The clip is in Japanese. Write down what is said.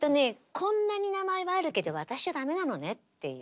こんなに名前はあるけど私じゃ駄目なのねっていう。